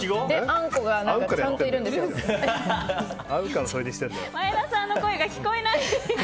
あんこがちゃんといるんですよ。